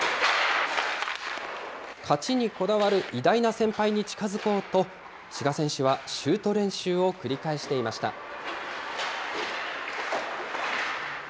勝ちにこだわる偉大な先輩に近づこうと、志賀選手はシュート練習を繰り返していました。